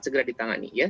segera ditangani ya